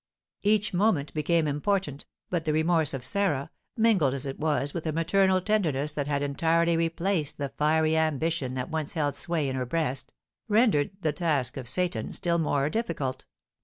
Each moment became important, but the remorse of Sarah, mingled as it was with a maternal tenderness that had entirely replaced the fiery ambition that once held sway in her breast, rendered the task of Seyton still more difficult.